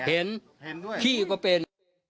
เห็นขี้ก็เป็น